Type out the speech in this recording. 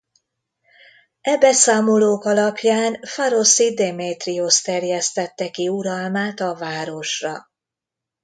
E beszámolók alapján Pharoszi Démétriosz terjesztette ki uralmát a városra.